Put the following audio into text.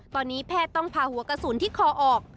ตอนนี้แพทย์ต้องพาหัวกระสุนที่คอออก